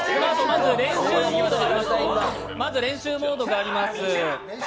まず練習モードがあります。